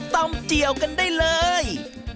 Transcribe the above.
เจียวกันได้เลย